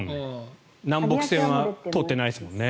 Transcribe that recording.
南北線は通ってないですもんね。